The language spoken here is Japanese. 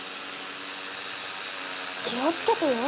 気をつけてよ。